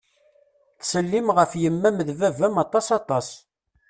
Ttsellim ɣef yemma-m d baba-m aṭas aṭas.